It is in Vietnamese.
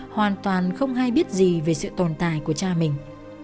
hoàn toàn không hay biết gì về sự tồn tại của cha mình